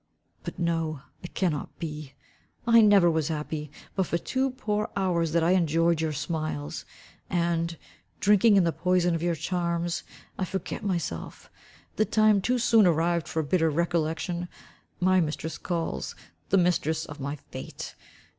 But no, it cannot be. I never was happy but for two poor hours that I enjoyed your smiles, and, drinking in the poison of your charms, I forgot myself. The time too soon arrived for bitter recollection. My mistress calls, the mistress of my fate.